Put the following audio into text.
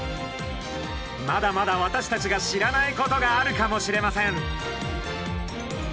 まだまだ私たちが知らないことがあるかもしれません。